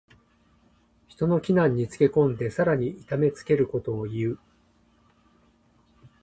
人の危難につけ込んでさらに痛めつけることをいう。